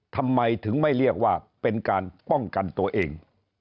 ทำไมถึงไม่เรียกว่าเป็นการป้องกันตัวเอง